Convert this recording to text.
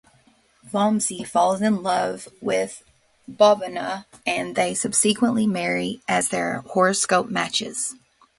Vamsy falls in love with Bhavana and they subsequently marry as their horoscope matches.